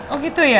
oh gitu ya